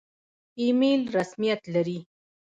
ایمیل رسمیت لري؟